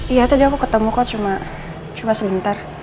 iya tadi aku ketemu kok cuma sebentar